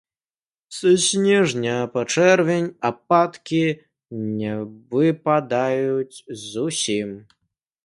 Са снежня па чэрвень ападкі не выпадаюць зусім.